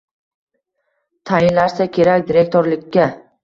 Tayinlashsa kerak direktorlikka.